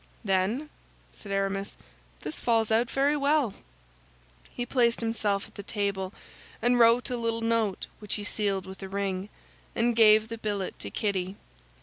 "Then," said Aramis, "this falls out very well." He placed himself at the table and wrote a little note which he sealed with a ring, and gave the billet to Kitty.